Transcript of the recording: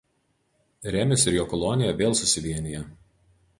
Remis ir jo kolonija vėl susivienija.